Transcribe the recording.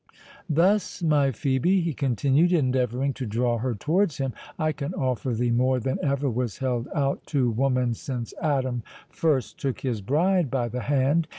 "Thus, my Phœbe," he continued, endeavouring to draw her towards him "I can offer thee more than ever was held out to woman since Adam first took his bride by the hand.